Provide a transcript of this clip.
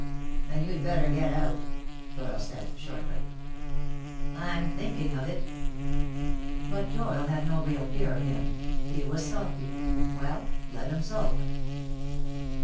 "Then you'd better get out," Doyle said, shortly. "I'm thinking of it." But Doyle had no real fear of him. He was sulky. Well, let him sulk.